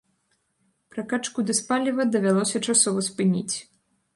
Пракачку дызпаліва давялося часова спыніць.